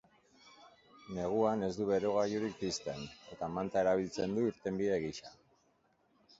Neguan ez du berogailurik pizten, eta manta erabiltzen du irtenbide gisa.